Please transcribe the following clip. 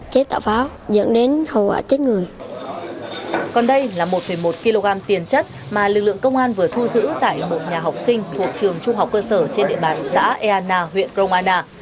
còn đây là một một kg tiên chất mà lực lượng công an vừa thu giữ tại một nhà học sinh thuộc trường trung học cơ sở trên địa bàn xã eo uy huyện rông vắc